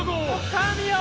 神よ！